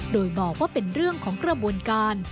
โดยบอกว่าเป็นเรื่องของกระบวนการ